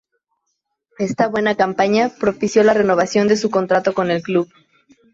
Esta buena campaña propició la renovación de su contrato con el club.